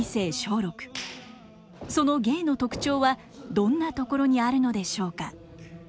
その芸の特徴はどんなところにあるのでしょうか。